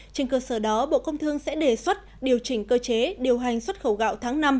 trên cơ sở đó bộ công thương sẽ đề xuất điều chỉnh cơ chế điều hành xuất khẩu gạo tháng năm